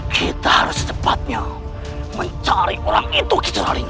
kita harus cepatnya mencari orang itu kicuraling